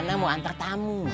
ana mau antar tamu